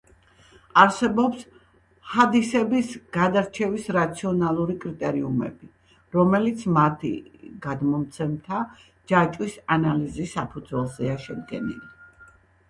არსებობს ჰადისების გადარჩევის რაციონალური კრიტერიუმები, რომელიც მათი გადმომცემთა ჯაჭვის ანალიზის საფუძველზეა შედგენილი.